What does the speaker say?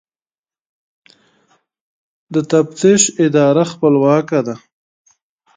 د تفتیش اداره خپلواکه ده؟